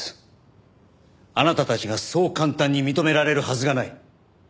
あなたたちがそう簡単に認められるはずがない。